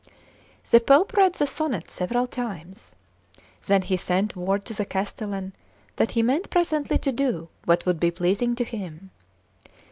The Pope read the sonnet several times. Then he sent word to the castellan that he meant presently to do what would be pleasing to him.